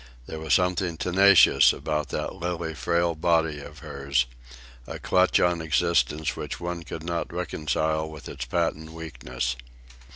There was something tenacious about that lily frail body of hers, a clutch on existence which one could not reconcile with its patent weakness.